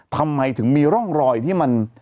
ทำไมถึงมีร่องรอยที่มัน